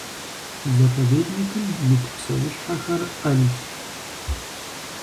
Заповедникым ит псэущхьэхэр Ӏэлщ.